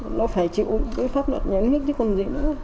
nó phải chịu cái pháp luật nhấn nhất chứ còn gì nữa